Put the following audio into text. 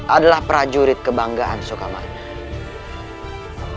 adalah prajurit kebanggaan soekarno martir